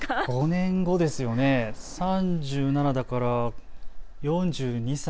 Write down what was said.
５年後ですよね、３７だから４２歳。